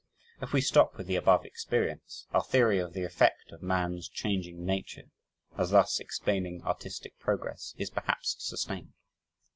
If we stop with the above experience, our theory of the effect of man's changing nature, as thus explaining artistic progress, is perhaps sustained.